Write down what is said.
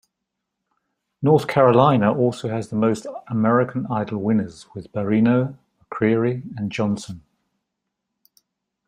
North Carolina also has the most "American Idol" winners with Barrino, McCreery, and Johnson.